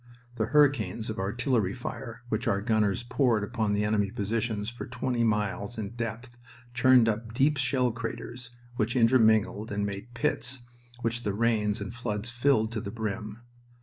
The hurricanes of artillery fire which our gunners poured upon the enemy positions for twenty miles in depth churned up deep shell craters which intermingled and made pits which the rains and floods filled to the brim.